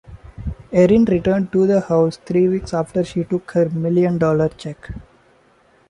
Erin returned to the house three weeks after she took her million-dollar check.